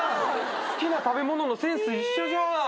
好きな食べ物のセンス一緒じゃん！